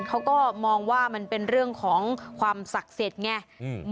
เขาก็มองว่ามันเป็นเรื่องของความศักดิ์สิทธิ์ไงอืม